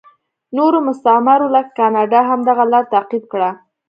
نورو مستعمرو لکه کاناډا هم دغه لار تعقیب کړه.